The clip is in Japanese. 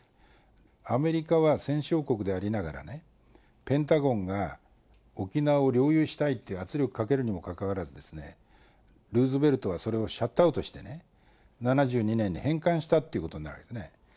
アメリカは戦勝国でありながら、ペンタゴンが沖縄を領有したいって圧力かけるにもかかわらず、ルーズベルトはそれをシャットアウトしてね、７２年に返還したっていうことになるんですね。